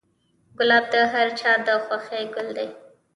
ګلاب د هر چا د خوښې ګل دی.